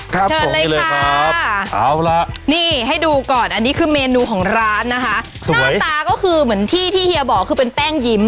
เชิญเลยค่ะเอาล่ะนี่ให้ดูก่อนอันนี้คือเมนูของร้านนะคะหน้าตาก็คือเหมือนที่ที่เฮียบอกคือเป็นแป้งยิ้ม